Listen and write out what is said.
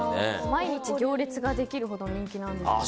毎日行列ができるほどの人気なんですよ。